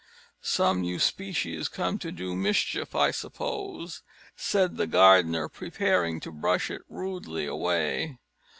"Some new species, come to do mischief, I suppose," said the gardener, preparing to brush it rudely away.